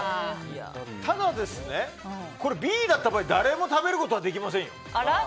ただ、Ｂだった場合誰も食べることができませんよ。